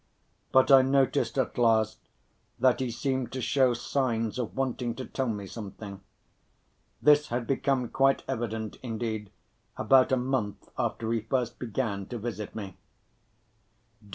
But I noticed at last, that he seemed to show signs of wanting to tell me something. This had become quite evident, indeed, about a month after he first began to visit me.